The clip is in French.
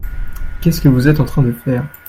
Qu'est-ce que vous êtes en train de faire ?